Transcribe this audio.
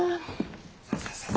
さあさあさあ